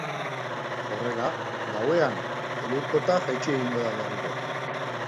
Horrela, gauean, elur-kota jaitsi egingo da berriro.